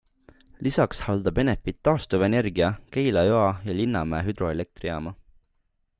Lisaks haldab Enefit Taastuvenergia Keila-Joa ja Linnamäe hüdroelektrijaama.